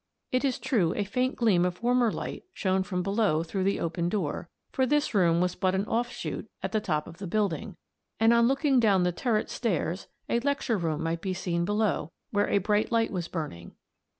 It is true a faint gleam of warmer light shone from below through the open door, for this room was but an offshoot at the top of the building, and on looking down the turret stairs a lecture room might be seen below where a bright light was burning.